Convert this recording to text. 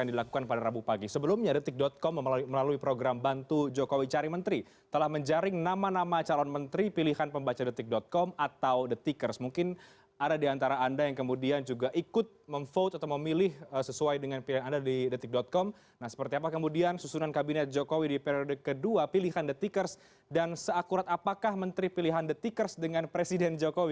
dan seakurat apakah menteri pilihan the tickers dengan presiden jokowi